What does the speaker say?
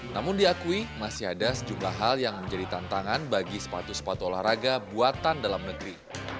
namun diakui masih ada sejumlah hal yang menjadi tantangan bagi sepatu sepatu olahraga buatan dalam negeri